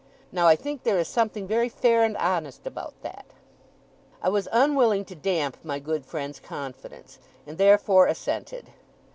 Now, I think there is something very fair and honest about that!' I was unwilling to damp my good friend's confidence, and therefore assented.